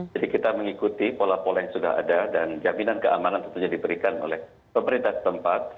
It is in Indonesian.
jadi kita mengikuti pola pola yang sudah ada dan jaminan keamanan tentunya diberikan oleh pemerintah tempat